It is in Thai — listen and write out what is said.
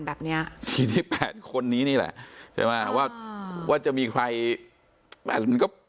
แบบเนี้ยทีนี้แปดคนนี้นี่แหละใช่ไหมว่าว่าจะมีใครมันก็